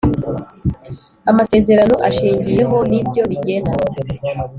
Amasezerano ashingiyeho ni byo bigena